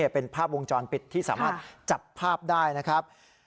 เป็นภาพวงจรปิดที่สามารถจับภาพได้นะครับ